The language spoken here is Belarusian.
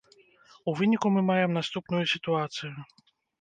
У выніку мы маем наступную сітуацыю.